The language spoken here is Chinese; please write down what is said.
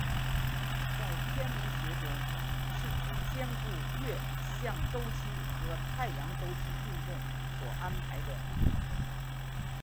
在天文学中是指兼顾月相周期和太阳周期运动所安排的历法。